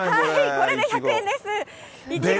これで１００円です。